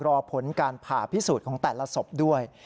รอผลการผ่าพิสูจน์ของแต่ละศพด้วย